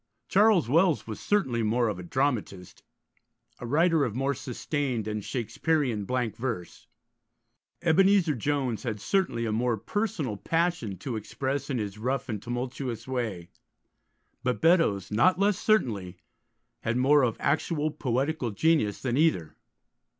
Charles Wells was certainly more of a dramatist, a writer of more sustained and Shakespearean blank verse; Ebenezer Jones had certainly a more personal passion to express in his rough and tumultuous way; but Beddoes, not less certainly, had more of actual poetical genius than either.